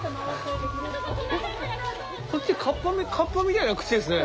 こっちかっぱみたいな口ですね。